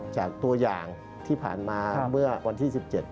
จากตัวอย่างที่ผ่านมาเมื่อวันที่๑๗